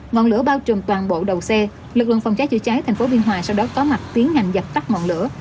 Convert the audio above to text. ngọn lửa bao trùm toàn bộ đầu xe lực lượng phòng cháy chữa cháy thành phố biên hòa sau đó có mặt tiến hành dập tắt ngọn lửa